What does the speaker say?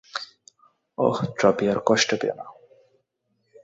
ওহ, ড্রপিয়র, কষ্ট পেয়ো না।